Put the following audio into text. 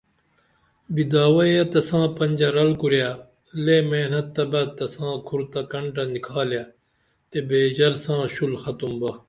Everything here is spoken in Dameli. بِداوئیہ تساں پنجہ رل کُرے لے محنت تہ بعد تساں کھرتہ کنٹہ نِکھالے تے بیژر ساں شُل ختم با